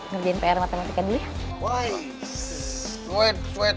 ngerjain pr matematika dulu ya